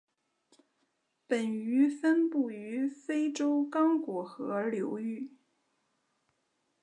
本鱼分布于非洲刚果河流域。